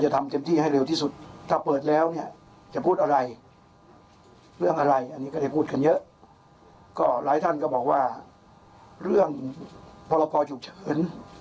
ก็หลายท่านก็บอกว่าเรื่องพรกรฉุกเฉิน